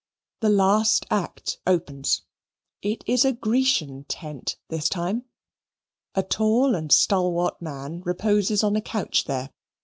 The last act opens. It is a Grecian tent this time. A tall and stalwart man reposes on a couch there.